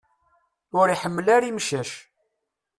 Ur iḥemmel ara imcac.